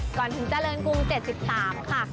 ก่อนถึงเจริญกรุง๗๓ค่ะ